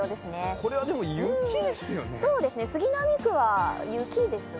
これは雪ですよね。